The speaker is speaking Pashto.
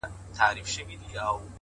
د احساساتو توازن عقل پیاوړی کوي؛